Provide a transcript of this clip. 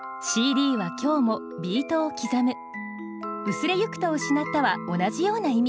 「薄れゆく」と「失った」は同じような意味。